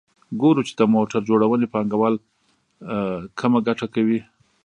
ګورو چې د موټر جوړونې پانګوال کمه ګټه کوي